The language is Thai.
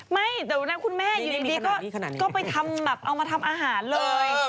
ไม่แต่ว่าคุณแม่อยู่ดีก็ไปทำอาหารเลย